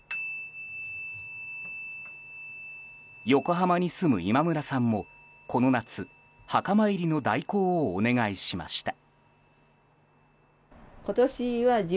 横浜に住む今村さんもこの夏、墓参りの代行をお願いしました。